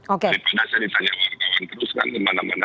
daripada saya ditanya orang orang terus kan kemana mana